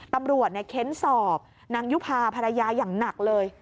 ตำรวจเนี่ยเข้นสอบนางยุภาภรรยาอย่างหนักเลย